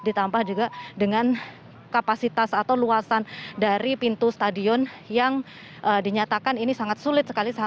ditambah juga dengan kapasitas atau luasan dari pintu stadion yang dinyatakan ini sangat sulit sekali